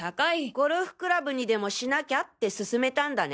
ゴルフクラブにでもしなきゃって勧めたんだね。